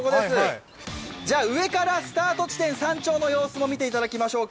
上からスタート地点山頂の様子も見てもらいましょう。